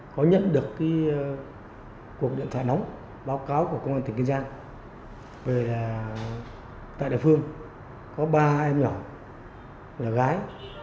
có nhận được cái cuộc điện thoại nóng báo cáo của công an tỉnh kiên giang về là tại đại phương có ba em nhỏ một là gái